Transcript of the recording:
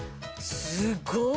すごい。